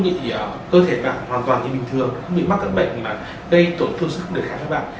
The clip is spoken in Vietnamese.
bị cơ thể bạn hoàn toàn như bình thường không bị mắc các bệnh mà gây tổn thương sức đề kháng cho bạn